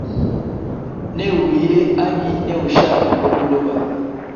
Newuye anyi ne ushale pa buloba.